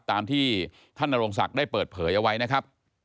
ตามที่ท่านนโรงศักดิ์ได้เปิดเผยเอาไว้นะครับ